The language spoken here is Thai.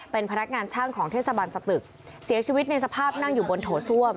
เป็นพนักงานช่างของเทศบาลสตึกเสียชีวิตในสภาพนั่งอยู่บนโถส้วม